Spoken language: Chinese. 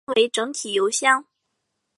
这也被称为整体油箱。